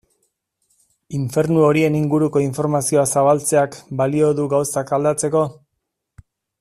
Infernu horien inguruko informazioa zabaltzeak balio du gauzak aldatzeko?